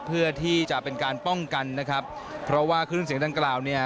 เพื่อที่จะเป็นการป้องกันนะครับเพราะว่าขึ้นเสียงดังกล่าวเนี่ย